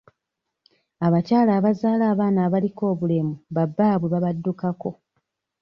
Abakyala abazaala abaana abaliko obulemu ba bbaabwe babaddukako.